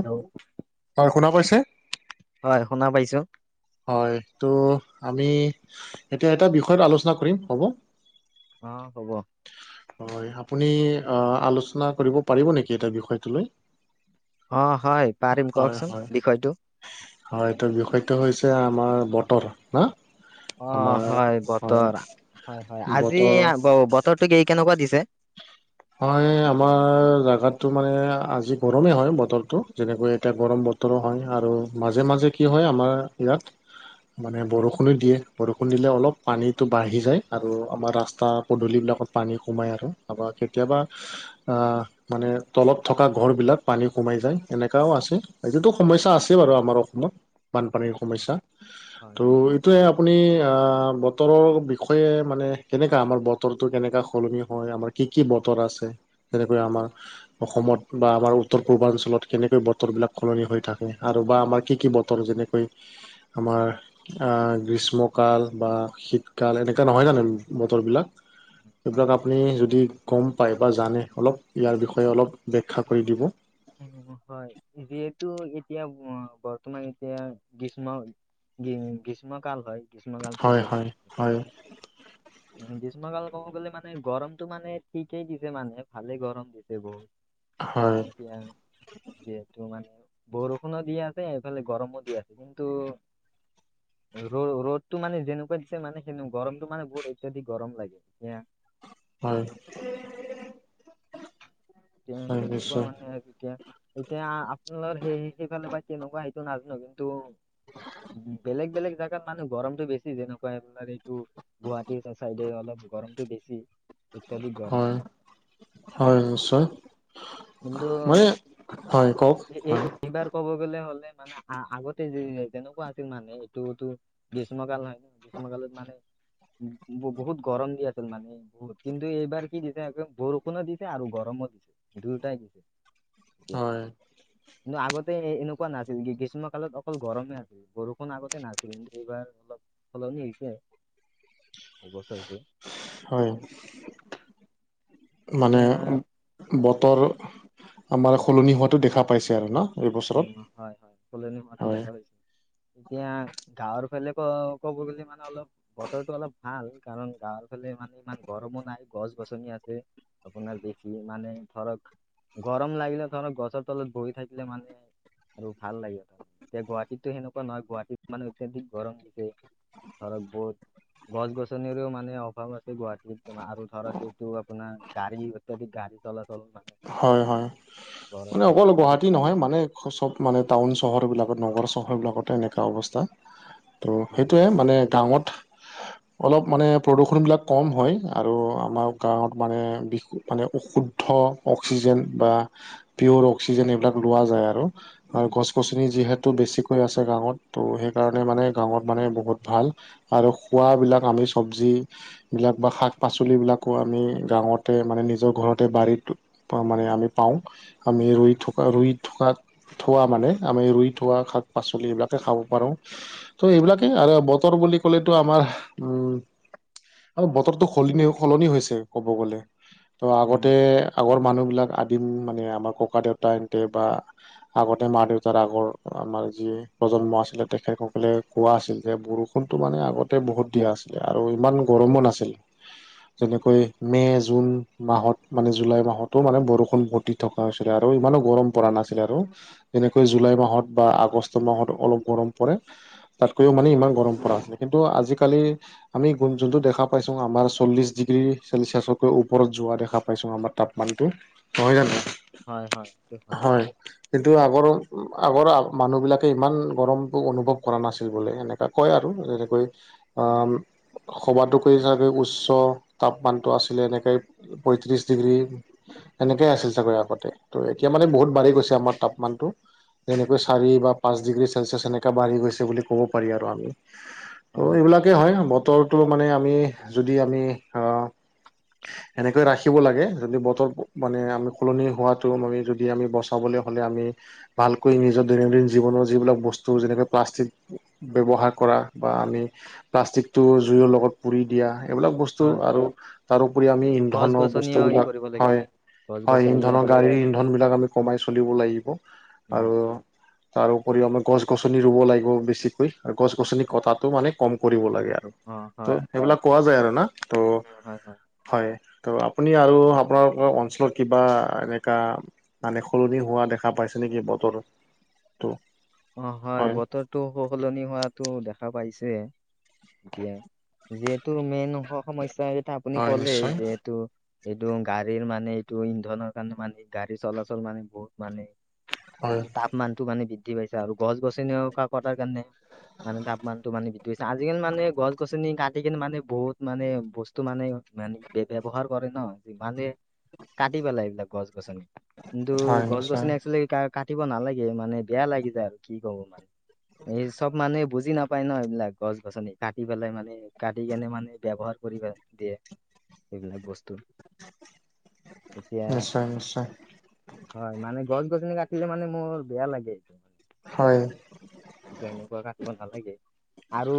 Hello. হয়, শুনা পাইছে? হয়, শুনা পাইছোঁ। হয়টো আমি এতিয়া এটা বিষয়ত আলোচনা কৰিম হ'ব। অ', হ'ব। হয়, আপুনি আ, আলোচনা কৰিব পাৰিব নেকি এটা বিষয়টো লৈ? অ', হয় পাৰিম হয় কওকচোন হয় বিষয়টো। হয়, এইটো বিষয়টো হৈছে আমাৰ বতৰ না অ', আমাৰ হয়, হয় বতৰ হয় - হয়, আজি বতৰ বতৰটো কি কেনেকুৱা দিছে? হয়, আমাৰ জাগাতো মানে আজি গৰমেই হয় বতৰটো যেনেকৈ এতিয়া গৰম বত তৰ হয় আৰু মাজে মাজে কি হয় আমাৰ ইয়াত মানে বৰষুণো দিয়ে বৰষুণ দিলে অলপ পানীটো বাঢ়ি যায় আৰু আমাৰ ৰাস্তা পদূলিবিলাকত পানী সোমাই আৰু আপোনাৰ কেতিয়াবা আ, মানে তলত থকা ঘৰ বিলাক পানী সোমাই যায়, এনেকাও আছে এইটোতো সমস্যা আছে বাৰু আমাৰ অসমত বানপানীৰ সমস্যা হয় ত' এইটোৱে আপুনি আ, বতৰৰ বিষয়ে মানে কেনেকা আমাৰ বতৰটো কেনেকা সলনি হয় আমাৰ কি কি বতৰ আছে তেনেকৈ আমাৰ অসমত বা আমাৰ উত্তৰ পূৰ্বাঞ্চলত কেনেকৈ বতৰবিলাক সলনি হৈ থাকে আৰু বা আমাৰ কি কি বতৰ যেনেক কৈ আমাৰ আ, গ্ৰীষ্মকাল বা শীতকাল এনেকা নহয় জানো বতৰবিলাক? হয় এইবিলাক হয়। আপুনি যদি গম পায় বা জানে অলপ ইয়াৰ বিষয়ে অলপ ব্যখ্যা কৰি দিব। উম, হয় যিহেতু এতিয়া বৰ্তমান এতিয়া গ্ৰীষ্ম গ্ৰীষ্ম কাল হয়। গ্ৰীষ্ম কাল হয় - হয় - হয় উম, গ্ৰীষ্মকাল কব গলে মানে গৰমটো মানে ঠিকেই দিছে মানে ভালে গৰম দিছে দিছে বহুত মানে হয় যেতিয়া যিহেতু মানে বৰষুণো দি আছে এইফালে গৰমো দি আছে কিন্তু ৰ' ৰ'দটো মানে যেনেকুৱা দিছে মানে সেনে গৰমটো মানে বহুত ইত্যাধিক গৰম লাগে এতিয়া হয় তে নিশ্চয় তেনেকুৱা নিশ্চয় মানে আৰু এতিয়া এতিয়া আপোনালৰ সেই সেইফালে বা তেনেকুৱা সেইটো নাজানো কিন্তু বেলেগ বেলেগ জা তাত মানে গৰমটো বেছি যেনেকুৱা [unintelligible] এইটো গুৱাহাটী চাইডে অলপ গৰমতটো বেছি অত্যাধিক গৰম হয় হয় নিশ্চয় মানে হয় কওক এ হয় এইবাৰ ক'ব গলে হলে মানে আগতে যে যেনেকুৱা আছিল মানুহে এইটোতো গ্ৰীষ্মকাল হয় ন গ্ৰীষ্মকালত মানে উ বহুত গৰম দি আছিল মানে বহুত কিন্তু এইবাৰ কি দিছে বৰষুণো দিছে আৰু গৰমো দিছে দুয়োটাই দিছে এতিয়া হয় কিন্তু আগতে এনেকুৱা নাছিল কি গ্ৰীষ্ম কালত অকল গৰমে আছিল বৰষুণ আগতে নাছিল এইবাৰ অলপ সলনি হৈছে [unintelligible] [unintelligible] হয়, মানে এতিয়া বতৰ আমাৰ সলনি হোৱাতটো দেখা পাইছে আৰু ন? এইবছৰত উম', হয় হয় সলনি হোৱাটো হয় দেখা পাইছোঁ। এতিয়া, গাঁৱৰ ফালে ক- ক'ব গ'লে মানে অলপ বতৰটো অলপ ভাল। কাৰণ গাঁৱৰ ফালে মানে ইমান গৰমো নাই গছ গছনি আছে। আপোনাৰ বেছি মানে ধৰক, গৰম লাগিলে ধৰক গছৰ তলত বহি থাকিলে মানে আৰু ভাল লাগে তাৰে এতিয়া গুৱাহাটীতো সেনেকুৱা নয় গুৱাহাটীত মানে অত্যাধিক গৰম দিছে ধৰক বহুত গছ গছনিৰো মানে অভাৱ আছে গুৱাহাটীত আৰু ধৰক এইটো আপোনাৰ গাড়ী অত্যাধিক গা়ড়ী চলা- চল হয়, হয় মানে অকল আৰু গুৱাহাটী নহয় মানে চব মানে টাউন- চহৰবিলাকত নগৰ- চহৰবিলাকত এনেকুৱা অৱস্থা। ত' হয় সেইটোৱে মানে গাঁৱত অলপ মানে প্ৰদূষণবিলাক কম হয় আৰু আমাৰ গাঁৱত মানে বি মানে অশুদ্ধ অক্সিজেন বা পিয়'ৰ অক্সিজেন এইবিলাক লোৱা যায় আৰু। আৰু গছ গছনি যিহেতু বেছিকৈ আছে গাঁৱত, ত' সেইকাৰণে মানে গাঁৱত মানে বহুত ভাল। আৰু খোৱাবিলাক আমি চব্জি বিলাক বা শাক পাচলিবিলাকো আমি গাঁৱতে মানে নিজৰ ঘৰতে বাৰীত। পাওঁ, মানে আমি পাওঁ। আমি ৰুই থকা ৰুই থকাত, থোৱা মানে আমি ৰুই থোৱা শাক পাচলিবিলাক তে খাব পাৰো, ত' এইবিলাকে আৰু বতৰ বুলি ক'লেটো আমাৰ উম', বতৰটো সলনি সলনি হৈছে। ক'ব গ'লে, ত' উম আগতে আগৰ মানুহ বিলাক আদিম মানে আমাৰ ককা দেউতা হেন্তে বা আগতে মা দেউতাৰ আগৰ, আমাৰ যি প্ৰজন্ম আছিলে তেখেতসকলে কোৱা আছিল যে, বৰষুণটো মানে আগতে বহুত দিয়া আছিলে আৰু ইমান গৰমো নাছিল। যেনেকৈ মে' জুন মাহত মানে জুলাই মাহতো মানে বৰষুণ ঘটি থকা হৈছিলে, আৰু ইমানো গৰম পৰা নাছিলে আৰু। যেনেকৈ জুলাই মাহত বা আগষ্ট মাহত অলপ গৰম পৰে। তাতকৈও মানে ইমান গৰম পৰা নাছিলে, কিন্তু আজিকালি আমি যোনটো দেখা পাইছোঁ, আমাৰ চল্লিশ ডিগ্ৰী চেলচিয়াছতকৈ ওপৰত যোৱা দেখা পাইছো আমাৰ। তাপমানটো নহয় জানো হয় হয় সেইটো হয়। কিন্তু আগৰ- আগৰ মানুহবিলাকে ইমান গৰম অনুভৱ কৰা নাছিল বোলে এনেকুৱা। হয় আৰু তেনেকৈ আ সবাতোকে চাগৈ উচ্চ তাপমানটো আছিলে এনেকৈ পয়ত্ৰিশ ডিগ্ৰী। সেনেকে আছিল চাগৈ আগতে, ত' এতিয়া মানে বহুত বাঢ়ি গৈছে আমাৰ তাপমানতটো। যেনেকৈ চাৰি বা পাঁচ ডিগ্ৰী চেলচিয়াছ এনেকা বাঢ়ি গৈছে বুলি ক'ব পাৰি আৰু আমি। হয় ত' এইবিলাকেই হয়, বতৰটো মানে আমি যদি আমি আহ এনেকৈ ৰাখিব লাগে। যদি বতৰ মানে আমি সলনি হোৱাতটো আমি যদি আমি বচাবলৈ হ'লে আমি ভালকৈ নিজৰ দৈনন্দিন জীৱনৰ যিবিলাক বস্তু যেনেকৈ, প্লাষ্টিক ব্যৱহাৰ কৰা বা আমি প্লাষ্টিকটো জুইৰ লগত পুৰি দিয়া। এইবিলাক বস্তু হয় আৰু তাৰোপৰি আমি গছ ইন্ধনৰ গছনিও ই বস্তুবিলাক কৰিব লাগে হয় গছ হয় গছনিও ইন্ধনৰ মানে গাড়ীৰ ৰুব লাগে ইন্ধন বিলাক আমি কমাই চলিব লাগিব। উম আৰু তাৰ উপৰিও আমাৰ গছ গছনি ৰুব লাগিব বেছিকৈ গছ গছনি কটাটো মানে কম কৰিব লাগে আৰু। অ ত হয় সেইবিলাক কোৱা যায় আৰু না উম, হয় ত' হয় ত' আপুনি আৰু। আপোনালোকৰ অঞ্চলত কিবা এনেকা মানে সলনি হোৱা দেখা পাইছে নেকি বতৰ। তো। অ হয় বতৰটো সলনি হোৱাতো দেখা পাইছেঁ। এতিয়া যিহেতু মেইন সমস্যা এয়া আপুনি হয় ক'লে নিশ্চয় যিহেতু। এইটো গাড়ীৰ মানে এইটো ইন্ধনৰ কাৰণে মানে, গাড়ীৰ চলাচল মানে, বহুত মানে হল। তাপমানতটো মানে বৃদ্ধি পাইছে আৰু গছ, গছনিও কটাৰ কাৰণে মানে তাপমানতো মানে বৃদ্ধি হৈছে আজিকালি মানে গছ, গছনি কাটি কনে মানে বহুত মানে বস্তু টো মানে মানে ব্যৱহাৰ কৰে ন যিমানে কাটি পেলাই এইবিলাক গছ, গছনি কিন্তু হয় গছ, নিশ্চয় গছনি এক্টচুৱালী কাটিব নালাগে মানে। বেয়া লাগি যায় আৰু কি কব এই চব মানে মানুহে বুজি নাপায় ন এইবিলাক। গছ, গছনি কাটি পেলাই মানে কাটি কেনে মানে ব্যৱহাৰ কৰিব দিয়ে। এইবিলাক বস্তু এতিয়া নিশ্চয় নিশ্চয় হয়, মানে গছ -গছনি কাটিলে মানে মোৰ বেয়া লাগে এইটো মানে। হয়। তেতিয়া এনেকুৱা কাটিব নালাগে। আৰু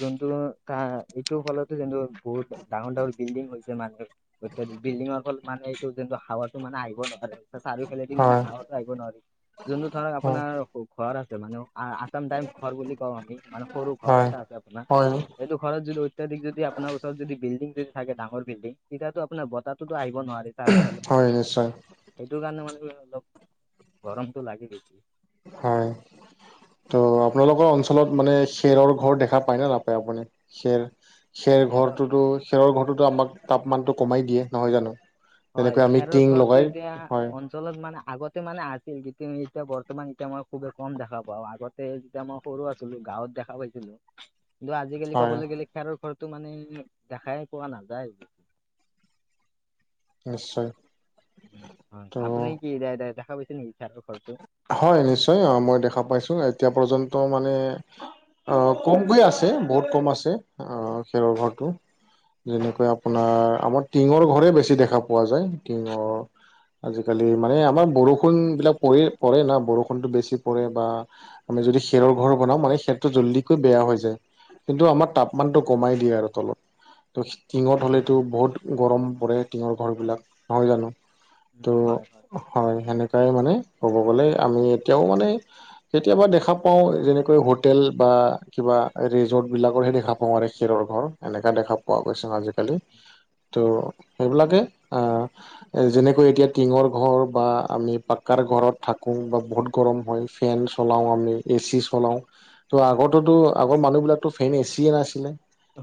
যোনটো তাৰ এইটোৰ ফলতো যোনটো বহুত ডাঙৰ, ডাঙৰ বিল্ডিং হৈছে মানুহ অত বিল্ডিং অকল মানে এইটো যোনটো হাৱাটো মানে আহিব ন আৰু চাৰিওফেদি মানে হয় হাঁৱাটো আহিব নোৱাৰি যোনটো ধৰক হয় আপোনাৰ ঘৰ আছে মানে আচাম তাইপ ঘৰ বুলি কওঁ আমি মানে সৰু ঘৰ হয় এটা আছে আপোনাৰ। হয় এইটো ঘৰত যদি অত্যাধিক যদি আপোনাৰ ওচৰত যদি বিলডিং যদি থাকে ডাঙৰ বিলডিং তেতিয়াতো আপোনাৰ বতাহ তো আহিব নোৱাৰে, তাৰো ফালে, হয় ফালে নিশ্চয় সেইটো কাৰণে মানে কি অলপ গৰমতটো লাগি গৈছে। হয়। ত' আপোনালোকৰ অঞ্চলত মানে খেৰৰ ঘৰ দেখা পায় নে নাপায় আপুনি খেৰ? খেৰ খেৰৰ ঘৰটোতো, খেৰৰ ঘৰটোতো আমাক তাপমানটো কমাই দিয়ে নহয় জানো? হয় তেনেকৈ আমি খেৰৰ টিং ঘৰটো লগাই, এতিয়া হয়। অঞ্চলত মানে আগতে মানে আছিল কিন্তু এতিয়া বৰ্তমান এতিয়া মই খুবেই কম দেখা পাওঁ। আগত তে যেতিয়া মই সৰু আছিলো গাঁৱত দেখা পাইছিলো। কিন্তু আজিকালি হয় ক'বলৈ গ'লে, কাৰো ঘৰটো মানে, দেখাই পোৱা নাযায়। নিশ্চয়। উম, উম, ত' আপুনি কি দয়, দ, দেখা, পাইছে নেকি খেৰৰ ঘৰটো। হয় নিশ্চয়। অ, মই দেখা পাইছো এতিয়া পৰ্যন্ত মানে কমকৈ আছে, বহুত কম আছে। আহি, খেৰৰ ঘৰটো। যেনেকৈ আপোনাৰ, আমাৰ টিঙৰ ঘৰে বেছি দেখা পোৱা যায়, টিঙৰ আজিকালি, মানে আমাৰ বৰষুণ বিলাক পৰে, পৰে না বৰষুণতো বেছি পৰে, বা আমি যদি খেৰৰ ঘৰ বনাও, মানে খেৰটো জল্দি কৈ বেয়া হৈ যায়। কিন্তু আমাৰ তাপমানটো কমাই দিয়ে আৰু তলত। তো, টিঙত হ'লেতো বহুত গৰম পৰে, টিঙৰ ঘৰবিলাক নহয় জানো। উম, ত, হয় হয়, সেনেকাই মানে ক'ব গ'লে, আমি এতিয়াও মানে কেতিয়াবা দেখা পাওঁ, যেনেকৈ হোটেল বা কিবা ৰিজৰ্ট বিলাকৰহে দেখা পা [unintelligible] খেৰৰ ঘৰ, এনেকা দেখা পোৱা, গৈছে, আজিকালি। ত, সেইবিলাকে অ, এই, যেনেকৈ এতিয়া টিঙৰ ঘৰ, বা আমি পাক্কাৰ ঘৰত থাকো বা বহুত গৰম হয়, ফেন চলাওঁ, আমি এ, চি চলাওঁ। ত' আগতেতো আগৰ মানুহ বিলাকতো ফেন এ, চিয়ে নাছিলে।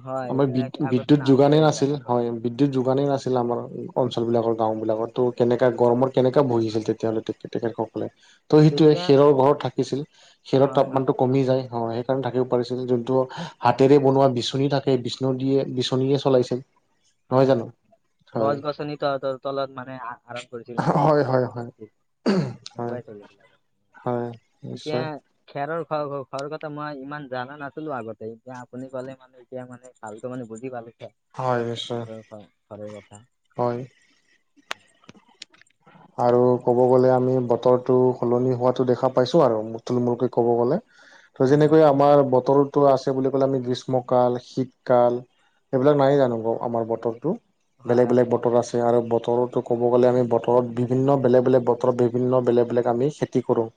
হয় আমাৰ এইবিলাক আগতে বি-বিদ্যুৎ নাছিলে যোগানেই এইবিলাক নাছিল, হয়। আগত বিদ্যুৎ যোগানেই নাছিল, আমাৰ অঞ্চলবিলাকৰ গাঁওবিলাকত তো, কেনেকৈ গৰমত কেনেকা ভুজিছিল তেতিয়াহ'লে তে, তেখেতসকলে। ত, সেইটোৱে তেতিয়া খেৰৰ ঘৰত থাকিছিল, খেৰৰ হয় হয় তাপমানটো কমি যায়, অ, সেইকাৰণে থাকিব পাৰিছিল, যোনটো হাতেৰে বনোৱা বিচনী থাকে, বিচণু দিয়ে, বিচনীয়ে চলাইছিল। [inaudible] হয়, হয়, হয় গছ-গছনি ত, তলত মানে আৰাম কৰিছিল, মানে হয় হয় হয় হয় লগাই চলিছিলে, হয় এতিয়া নিশ্চয় খেৰৰ ঘৰৰ কথা মই ইমান জানা নাছিলো আগতে, এতিয়া আপুনি ক'লে মানে এতিয়া মানে, ভালকে মানে বুজি পালো হয়। হয়। নিশ্চয় খেৰৰ ঘৰ, ঘৰে কথা হয়। আৰু ক'ব গ'লে আমি, বতৰটো সলনি হোৱাতো দেখা পাইছো আৰু। তোৰ-মোৰ কৰে ক'ব গ'লে ত, উম যেনেকৈ হয় আমাৰ বতৰ আছে বুলি ক'লে, আমি গ্ৰীষ্মকাল, শীতকাল এইবিলাক নাই জানো আমাৰ বতৰটো। হয় বেলেগ, বেলেগ বতৰ হয়। আছে আৰু বতৰতো ক'ব গ'লে, আমি বতৰ ঘৰত বিভিন্ন বেলেগ-বেলেগ বতৰত বিভিন্ন বেলেগ, বেলেগ আমি খেতি কৰোঁ।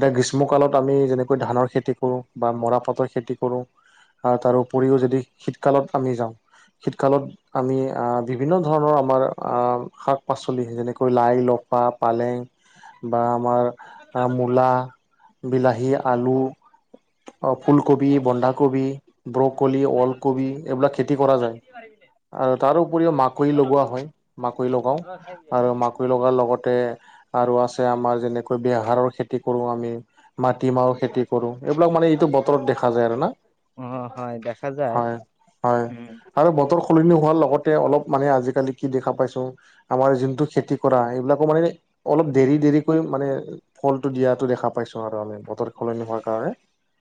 এতিয়া গ্ৰীষ্মকালত আমি যেনেকৈ ধানৰ খেতি কৰোঁ বা মৰাপাতৰ খেতি কৰোঁ। আৰু তাৰ উপৰিও, যদি শীতকালত আমি যাওঁ। শীতকালত, আমি বিভিন্ন ধৰণৰ আমাৰ শাক-পাচলি যেনেকৈ লাই-লফা পালেং বা আমাৰ মূলা বিলাহী আলু, ফুলকবি, বন্ধাকবি। ব্ৰকলি, ওলকবি এইবিলাক খেতি কৰা যায়। পাৰিবিনে? আৰু তাৰ উপৰিও মাকৈ লগোৱা হয়, মাকৈ লগাও আৰু মাক মাকৈ লগাৰ লগতে আৰু আছে আমাৰ যেনেকৈ বেহাৰৰ খেতি কৰো আমি, মাটিমাহৰ খেতি - কৰো, এইবিলাক মানে এইটো বতৰত দেখা যায় আৰু না। অ হয় দেখা যায়, হয় হয় উম। আৰু বতৰ সলনি হোৱাৰ লগতে অলপ মানে আজিকালি কি দেখা পাইছো আমাৰ যোনটো খেতি - কৰা, এইবিলাকো মানে অলপ দেৰি দেৰিকৈ মানে ফলটো দিয়াটো দেখা পাইছো আৰু আমি। বতৰ সলনি হোৱাৰ কাৰণে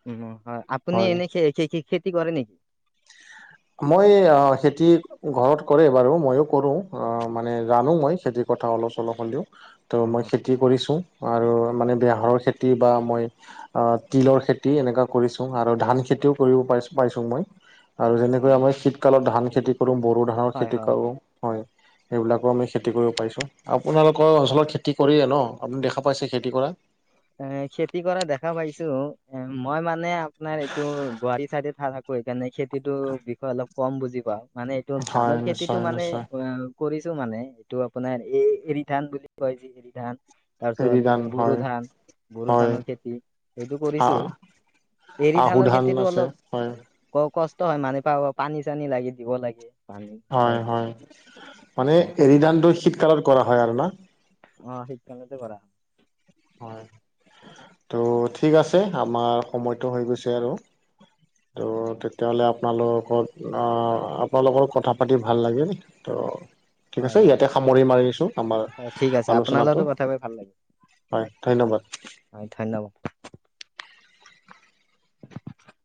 উম হয়, আপুনি এনেই খে খে খেতি কৰে নেকি? [unintelligible] মই অ খেতি ঘৰত কৰে বাৰু, মইও কৰো, অ মানে জানো মই খেতি- কথা অলপ চলপ হ'লেও, ত অ অ মই খেতি - খেতি কৰিছোঁ, আৰু মানে বেহাৰৰ খেতি বা মই- আহ তিলৰ খেতি এনেকুৱা কৰিছোং আৰু ধান খেতিও কৰিব পাৰিছো পাইছোং মই। আৰু যেনেকৈ আমি শীতকালত ধান খেতি কৰো বড়ো ধানৰ হয় খেতি হয় কৰোং। হয় সেইবিলাকো আমি খেতি কৰিব পাৰিছোঁং। ত আপোনালোকৰ অঞ্চলত খেতি কৰিয়ে ন আপুনি দেখা পাইছে খেতি কৰা। এ খেতি কৰা দেখা পাইছো এ মই মানে আপোনাৰ এইটো গুৱাৰি চাইডে থাক - কো, সেইকাৰণে খেতিটোৰ বিষয়ে অলপ কম বুজি পাওঁ, মানে এইটো হয় ধানৰ খেতিটো নিশ্চয় মানে নিশ্চয় অ - কৰিছো মানে এইটো আপোনাৰ এই এৰি ধান বুলি কয় যে এৰি ধান। তাৰ এৰি ধান পিছত বড়ো হয় ধান। বড়ো হয় ধানৰ খেতি সেইটো কৰিছো পেৰি আহু ধানৰ ধান খেতিটো আছে অলপ - হয় ক কষ্ট হয় মানে পা পানী চানী লাগে দিব লাগে। পানী হয় কাৰণে হয় মানে অ কৰি এৰি ধানটো শীতকালত কৰা হয় আৰু না? অ শীতকলতে কৰা হয়। হয়, ত' ঠিক আছে আমাৰ সময়টো হৈ গৈছে আৰু। ত' তেতিয়াহ'লে আপোনালোকত আপোনালোকৰ কথা পাতি ভাল লাগিল। ত' ঠিক হয় হয় আছে হয় ইয়াতে সামৰি মাৰি আছো আমাৰ হয়, ঠিক আছে আপোনাৰ লগতো আলোচনাটো। কথা পাতি ভাল লাগিল। হয় ধন্যবাদ। হয় ধন্যবাদ। [unintelligible]